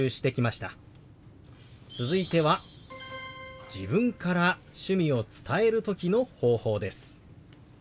続いては自分から趣味を伝える時の方法です。